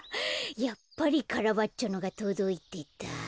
やっぱりカラバッチョのがとどいてた。